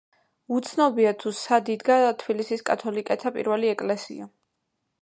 უცნობია, თუ სად იდგა თბილისის კათოლიკეთა პირველი ეკლესია.